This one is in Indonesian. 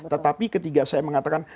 tetapi ketika saya mengatakan